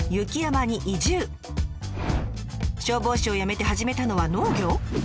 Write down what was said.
消防士を辞めて始めたのは農業！？